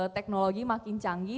teknologi makin canggih